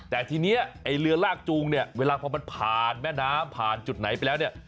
แต่ทีนี้ไอ้เรือลากจูงเนี่ยเวลาพอมันผ่านแม่น้ำผ่านจุดไหนไปแล้วเนี่ย